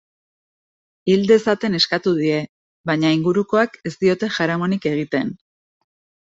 Hil dezaten eskatu die, baina ingurukoak ez diote jaramonik egiten.